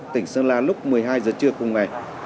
tỉnh sơn la lúc một mươi hai giờ trưa cùng ngày